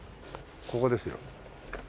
ここですよ。